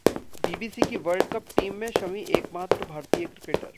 BBC की world cup team में शमी एकमात्र भारतीय क्रिकेटर